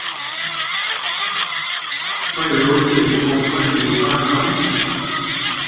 ไม่รู้สิ คงไม่อยู่บ้านมั้ง